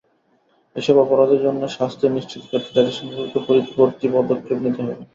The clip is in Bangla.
এসব অপরাধের জন্য শাস্তি নিশ্চিত করতে জাতিসংঘকে পরবর্তী পদক্ষেপ নিতে হবে।